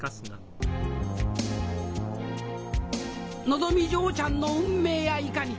のぞみ嬢ちゃんの運命やいかに？